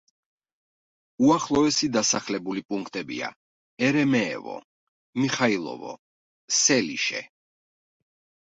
უახლოესი დასახლებული პუნქტებია: ერემეევო, მიხაილოვო, სელიშე.